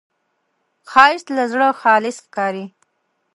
ښایست له زړه خالص ښکاري